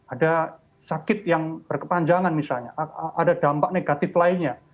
ada sakit yang berkepanjangan misalnya ada dampak negatif lainnya